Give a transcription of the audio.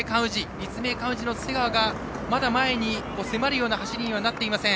立命館宇治の瀬川がまだ前に迫るような走りにはなっていません。